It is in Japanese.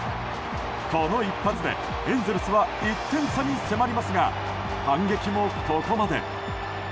この一発でエンゼルスは１点差に迫りますが反撃もここまで。